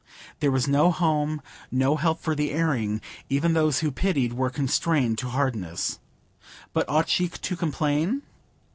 There was no home, no help for the erring; even those who pitied were constrained to hardness. But ought she to complain?